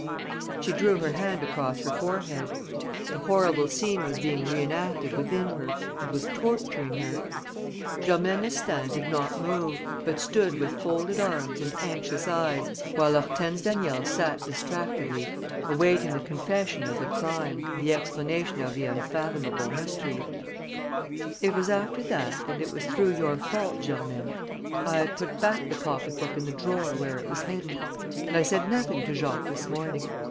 She drew her hand across her forehead. The horrible scene was being reenacted within her and was torturing her. Germaine Astaing did not move, but stood with folded arms and anxious eyes, while Hortense Daniel sat distractedly awaiting the confession of the crime and the explanation of the unfathomable mystery. "It was after that and it was through your fault Germaine ... I had put back the pocket book in the drawer where it was hidden; and I said nothing to Jacques this morning